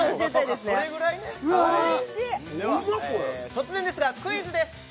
では突然ですがクイズです